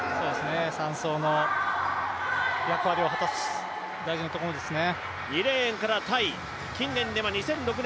３走の役割を果たす大事なところですね。